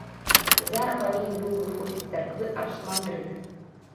Зара павінен быў выходзіць з царквы архімандрыт.